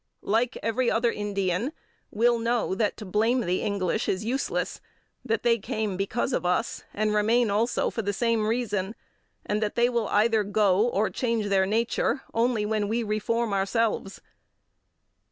like every other Indian, will know that to blame the English is useless, that they came because of us, and remain also for the same reason, and that they will either go or change their nature, only when we reform ourselves; 13.